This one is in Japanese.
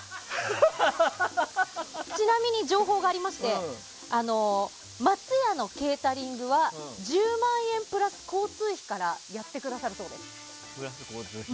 ちなみに情報がありまして松屋のケータリングは１０万円プラス交通費からやってくださるそうです。